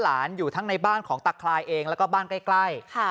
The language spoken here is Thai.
อยู่ทั้งในบ้านของตะคลายเองแล้วก็บ้านใกล้